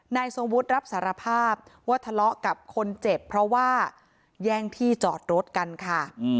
ทรงวุฒิรับสารภาพว่าทะเลาะกับคนเจ็บเพราะว่าแย่งที่จอดรถกันค่ะ